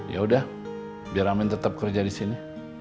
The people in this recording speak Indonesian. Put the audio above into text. ya udah biar amin tetep kerja disini